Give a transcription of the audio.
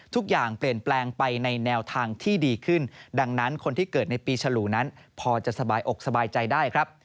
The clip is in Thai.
ทุกอย่างเปลี่ยนแปลงไปในแนวทางที่ดีขึ้นดังนั้นคนที่เกิดในปีฉลูนั้นพอจะสบายอกสบายใจได้ครับ